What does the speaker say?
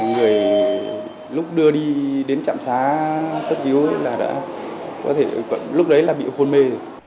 người lúc đưa đi đến trạm xá cất hiếu là đã có thể lúc đấy là bị khôn mê